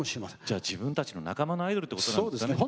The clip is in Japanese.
じゃあ自分たちの仲間のアイドルってことなんですかね。